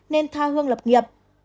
nên tha hương người ta